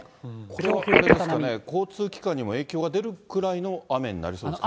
強風、これ、交通機関にも影響が出るくらいの雨になりそうですね。